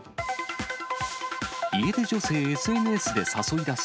家出女性、ＳＮＳで誘い出す。